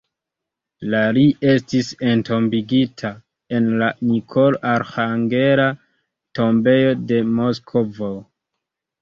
La li estis entombigita en la Nikolo-Arĥangela tombejo de Moskvo.